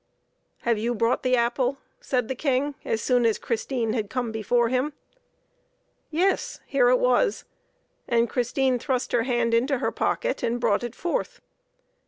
" Have you brought the apple ?" said the King, as soon as Christine had come before him. Yes ; here it was ; and Christine thrust her hand into her pocket and brought it forth.